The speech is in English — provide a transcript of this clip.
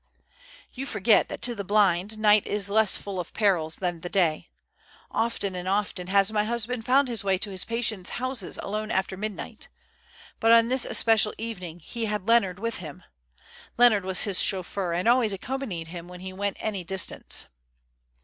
"You forget that to the blind, night is less full of perils than the day. Often and often has my husband found his way to his patients' houses alone after midnight; but on this especial evening he had Leonard with him. Leonard was his chauffeur, and always accompanied him when he went any distance."